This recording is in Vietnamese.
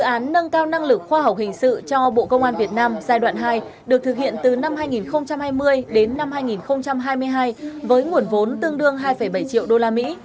dự án nâng cao năng lực khoa học hình sự cho bộ công an việt nam giai đoạn hai được thực hiện từ năm hai nghìn hai mươi đến năm hai nghìn hai mươi hai với nguồn vốn tương đương hai bảy triệu đô la mỹ